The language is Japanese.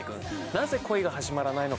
なぜ恋が始まらないのか？